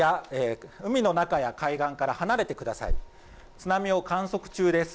津波を観測中です。